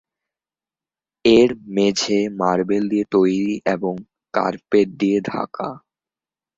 এর মেঝে মার্বেল দিয়ে তৈরি এবং কার্পেট দিয়ে ঢাকা।